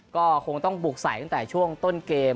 ก็คงต้องบุกใส่ตั้งแต่ช่วงต้นเกม